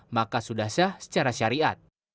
maka sudah sah secara syariat